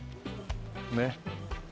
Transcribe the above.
ねっ。